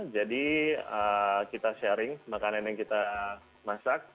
jadi kita sharing makanan yang kita masak